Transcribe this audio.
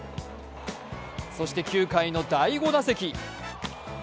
そして、９回の第５打席。